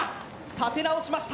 立て直しました。